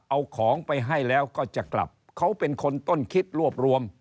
เอาของไปให้แล้วก็จะกลับเขาเป็นคนต้นคิดรวบรวม